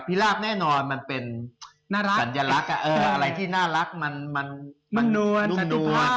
พิลาปแน่นอนมันเป็นสัญลักษณ์อะไรที่น่ารักมันนุ่มนวน